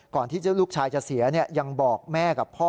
ที่ลูกชายจะเสียยังบอกแม่กับพ่อ